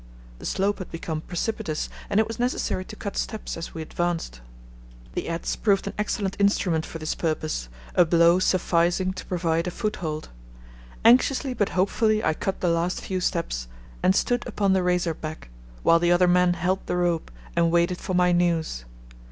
The slope had become precipitous and it was necessary to cut steps as we advanced. The adze proved an excellent instrument for this purpose, a blow sufficing to provide a foothold. Anxiously but hopefully I cut the last few steps and stood upon the razor back, while the other men held the rope and waited for my news.